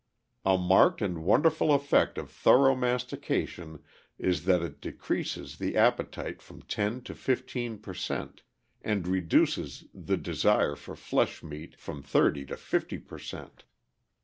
] A marked and wonderful effect of thorough mastication is that it decreases the appetite from 10 to 15 per cent, and reduces the desire for flesh meat from 30 to 50 per cent.